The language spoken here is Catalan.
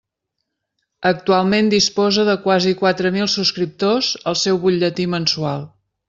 Actualment disposa de quasi quatre mil subscriptors al seu butlletí mensual.